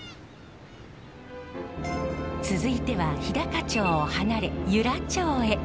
続いては日高町を離れ由良町へ。